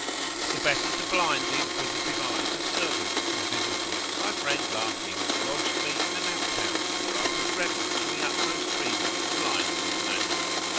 11]The better to blind the inquisitive eyes of servants and visitors, my friend, Larking, lodged me in an out house, where I could revel in the utmost freedom of life and manners.